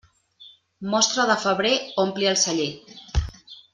Mostra de febrer ompli el celler.